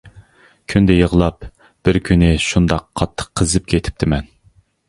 كۈندە يىغلاپ، بىر كۈنى شۇنداق قاتتىق قىزىپ كېتىپتىمەن.